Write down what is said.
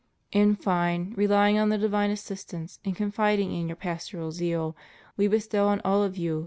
In fine, relying on the divine assistance and confiding in your pastoral zeal, We bestow on all of you.